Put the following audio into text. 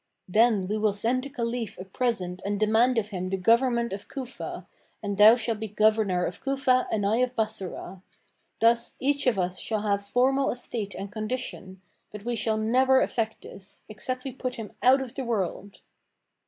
Then will we send the Caliph a present and demand of him the government of Cufah, and thou shalt be governor of Cufah and I of Bassorah. Thus each of us shall have formal estate and condition, but we shall never effect this, except we put him out of the world!"